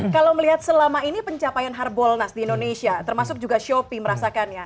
kalau melihat selama ini pencapaian harbolnas di indonesia termasuk juga shopee merasakannya